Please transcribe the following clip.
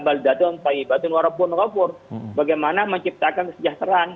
bagaimana menciptakan kesejahteraan